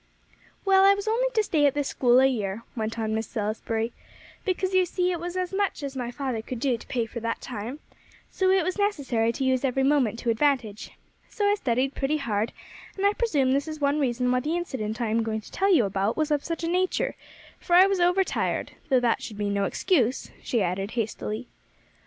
"Well, I was only to stay at this school a year," went on Miss Salisbury, "because, you see, it was as much as my father could do to pay for that time; so it was necessary to use every moment to advantage. So I studied pretty hard; and I presume this is one reason why the incident I am going to tell you about was of such a nature; for I was over tired, though that should be no excuse," she added hastily.